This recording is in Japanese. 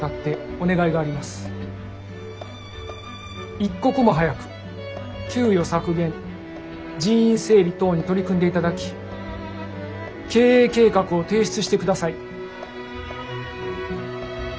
一刻も早く給与削減人員整理等に取り組んでいただき経営計画を提出してください。